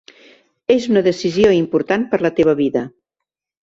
És una decisió important per a la teva vida.